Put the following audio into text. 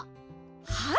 はい。